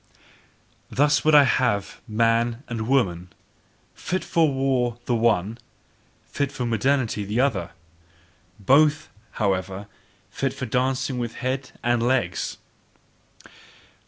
Thus would I have man and woman: fit for war, the one; fit for maternity, the other; both, however, fit for dancing with head and legs.